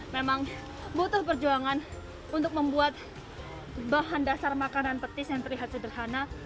memang butuh perjuangan untuk membuat bahan dasar makanan petis yang terlihat sederhana